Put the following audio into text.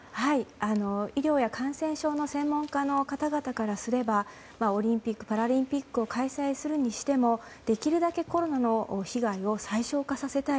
医療や感染症の先生の方々からすればオリンピック・パラリンピックを開催するにしてもできるだけコロナの被害を最小化させたい。